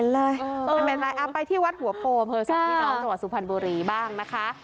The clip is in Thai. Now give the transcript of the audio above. ลองไปที่วัดหัวโภมส่วนที่น้องตัวสุพรรณบุรีบ้างนะคะ